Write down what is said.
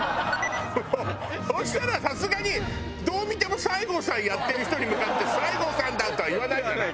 そしたらさすがにどう見ても西郷さんやってる人に向かって「西郷さんだ」とは言わないじゃない？